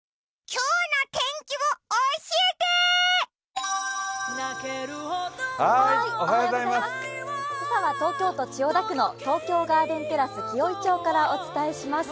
今朝は東京都千代田区の東京ガーデンテラス紀尾井町からお伝えします。